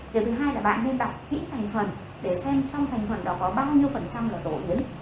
việc thứ hai là bạn nên đọc kỹ thành phần để xem trong thành phần đó có bao nhiêu phần trăm là phổ biến